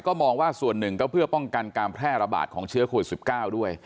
ก็มองว่าส่วนหนึ่งก็เพื่อป้องกันการแพร่ระบาดของเชื้อโควิด๑๙ด้วย